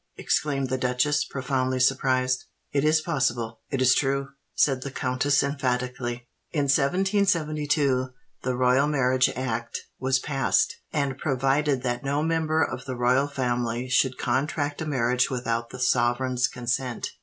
exclaimed the duchess, profoundly surprised. "It is possible—it is true!" said the countess emphatically. "In 1772 the Royal Marriage Act was passed, and provided that no member of the Royal Family should contract a marriage without the sovereign's consent.